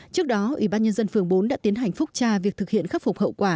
trước đó ủy ban nhân dân phường bốn đã tiến hành phúc tra việc thực hiện khắc phục hậu quả